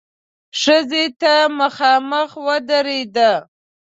ښځې ته مخامخ ودرېد.